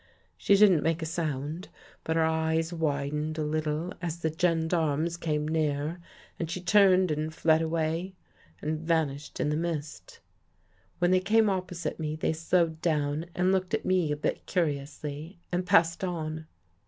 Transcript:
She didn't make a sound, but her eyes widened a lit tle as the gendarmes came nearer and she turned and fled away and vanished in the mist. When they came opposite me, they slowed down and looked at me a bit curiously and passed on.